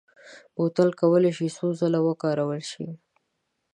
بوتل کولای شي څو ځله وکارول شي.